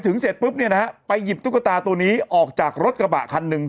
เสร็จปุ๊บเนี่ยนะฮะไปหยิบตุ๊กตาตัวนี้ออกจากรถกระบะคันหนึ่ง